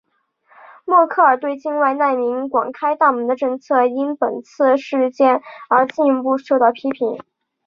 默克尔对境外难民广开大门的政策因本次事件而进一步受到批评。